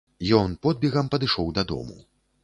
Ён подбегам падышоў дадому.